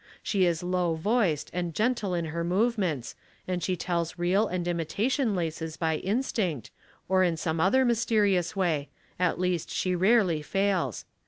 She is low voiced, and gentle in her movements, and she tells real and imitation laces by instinct, or in some other mysterious way; at least she rarely fails.